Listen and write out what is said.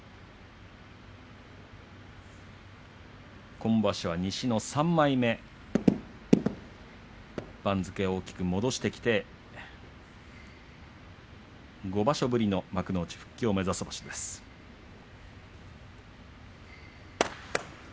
今場所は西の３枚目番付を大きく戻してきて５場所ぶりの幕内復帰を目指す場所となっています。